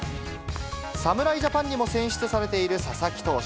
侍ジャパンにも選出されている佐々木投手。